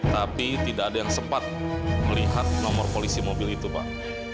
tapi tidak ada yang sempat melihat nomor polisi mobil itu pak